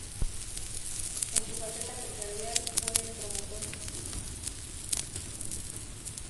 En su faceta empresarial fue un promotor del turismo en Almería.